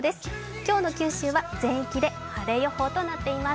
今日の九州は全域で晴れ予報となっています。